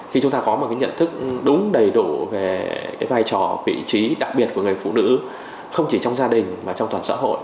khi chúng ta có một cái nhận thức đúng đầy đủ về cái vai trò vị trí đặc biệt của người phụ nữ không chỉ trong gia đình mà trong toàn xã hội